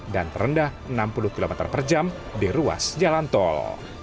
dan terendah enam puluh km per jam di ruas jalan tol